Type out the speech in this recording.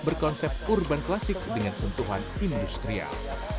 berkonsep urban klasik dengan sentuhan industrial